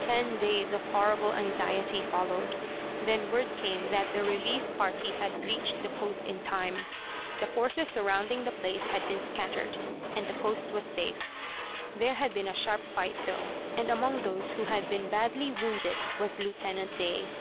Ten days of horrible anxiety followed. Then word came that the relief party had reached the post in time. The forces surrounding the place had been scattered, and the post was safe. There had been a sharp fight, though, and among those who had been badly wounded was Lieutenant Day.